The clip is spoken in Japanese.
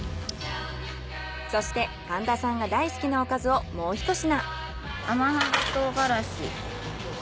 そして神田さんが大好きなおかずをもうひと品。